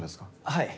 はい。